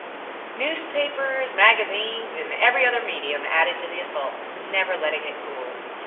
_" Newspapers, magazines and every other medium added to the assault, never letting it cool.